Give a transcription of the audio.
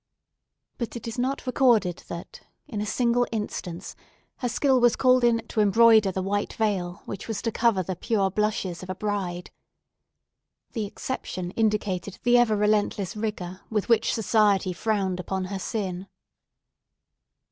But it is not recorded that, in a single instance, her skill was called in to embroider the white veil which was to cover the pure blushes of a bride. The exception indicated the ever relentless vigour with which society frowned upon her sin.